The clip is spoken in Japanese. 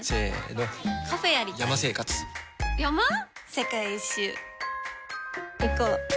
世界一周いこう。